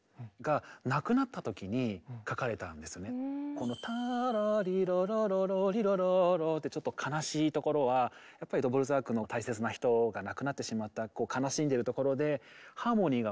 このタラリララララリラララってちょっと悲しいところはやっぱりドボルザークの大切な人が亡くなってしまった悲しんでるところでハーモニーが